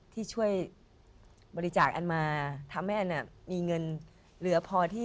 ที่ช่วยบริจาคอันมาทำให้อันมีเงินเหลือพอที่